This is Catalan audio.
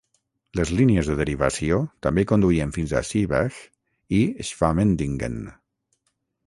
Les línies de derivació també conduïen fins a Seebach i Schwamendingen.